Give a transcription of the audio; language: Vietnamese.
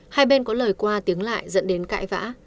hai bên có lời qua tiếng lại dẫn đến cãi vã